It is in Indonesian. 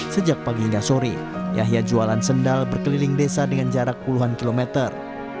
sejak pagi hingga sore yahya jualan sendal berkeliling desa dengan jarak puluhan kilometer